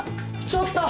ちょっと！